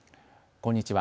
こんにちは。